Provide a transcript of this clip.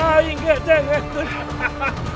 aing gak jangan mengakul